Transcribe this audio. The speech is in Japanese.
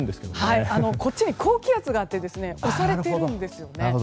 はい、こっちに高気圧があって押されているんですよね。